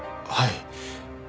はい。